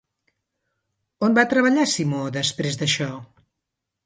On va treballar Simó després d'això?